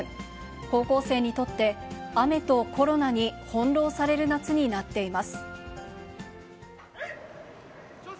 高校生にとって、雨とコロナに翻弄される夏になっています。